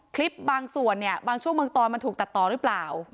คลิปบางส่วนเนี่ยบางช่วงบางตอนมันถูกตัดต่อหรือเปล่า